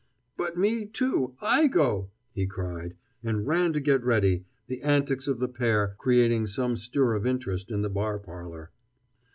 "But me, too, I go," he cried, and ran to get ready, the antics of the pair creating some stir of interest in the bar parlor.